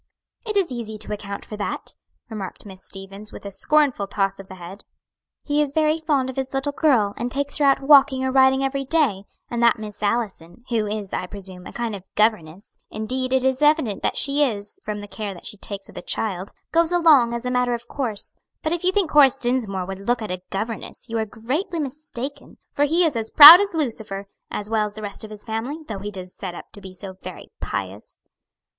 "It is easy to account for that," remarked Miss Stevens, with a scornful toss of the head; "he is very fond of his little girl, and takes her out walking or riding every day, and this Miss Allison who is, I presume, a kind of governess indeed, it is evident that she is, from the care she takes of the child goes along as a matter of course; but if you think Horace Dinsmore would look at a governess, you are greatly mistaken, for he is as proud as Lucifer, as well as the rest of his family, though he does set up to be so very pious!"